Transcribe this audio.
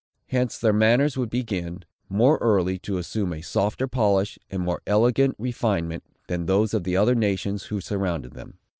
Hence their manners would begin, more early, to assume a softer polish, and more elegant refinement, than those of the other nations who surrounded them.